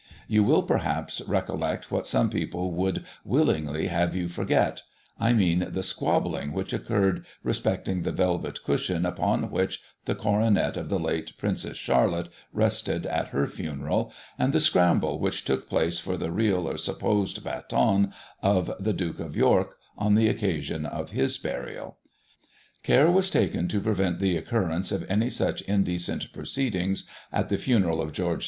You will, perhaps, recollect what some people would willingly have you forget — I mean the squabbling which occurred respecting the velvet cushion upon which the coronet of the late Princess Charlotte rested at her funeral, and the scramble which took place for the real or supposed baton of the Duke of York, on the occasion of his burial. Care was taken to prevent the occurrence of any such indecent proceedings at the fimeral of George IV.